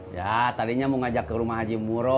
ya tadinya mau ngajak ke rumah haji muro